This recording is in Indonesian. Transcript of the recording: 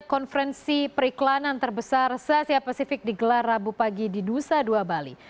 konferensi periklanan terbesar se asia pasifik digelar rabu pagi di nusa dua bali